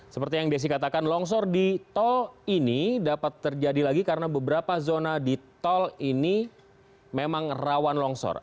seperti yang desi katakan longsor di tol ini dapat terjadi lagi karena beberapa zona di tol ini memang rawan longsor